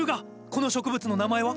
この植物の名前は？